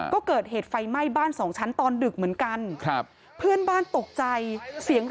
ก็เกิดเหตุไฟไหม้บ้าน๒ชั้นตอนดึกเหมือนกัน